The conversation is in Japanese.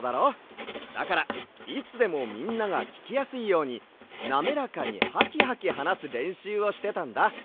だからいつでもみんながききやすいようになめらかにハキハキはなすれんしゅうをしてたんだ。